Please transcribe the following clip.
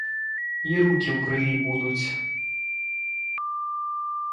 І рукі ў крыві будуць.